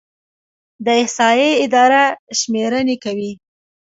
د احصایې اداره شمیرنې کوي